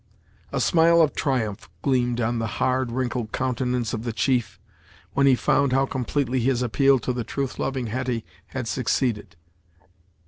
A smile of triumph gleamed on the hard wrinkled countenance of the chief, when he found how completely his appeal to the truth loving Hetty had succeeded.